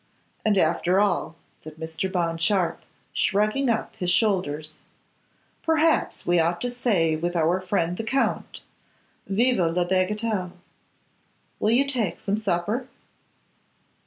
And after all,' said Mr. Bond Sharpe, shrugging up his shoulders, 'perhaps we ought to say with our friend the Count, Vive la bagatelle! Will you take some supper?